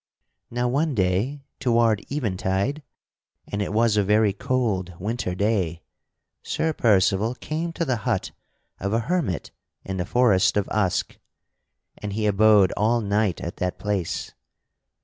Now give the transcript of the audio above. Now one day toward eventide (and it was a very cold winter day) Sir Percival came to the hut of a hermit in the forest of Usk; and he abode all night at that place.